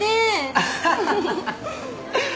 アハハハ。